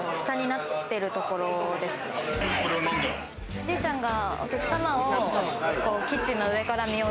おじいちゃんが。